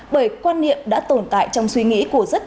bởi quan niệm đã tồn tại trong suy nghĩ của rất nhiều